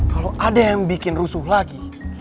kalau ada yang bikin rusuh lagi